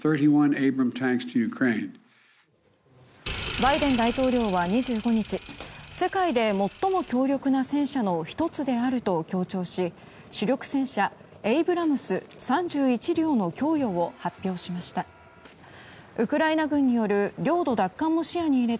バイデン大統領は２５日世界で最も強力な戦車の１つであると強調し主力戦車エイブラムス、３１両の供与を発表しました。